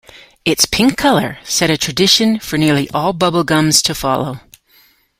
Its pink color set a tradition for nearly all bubble gums to follow.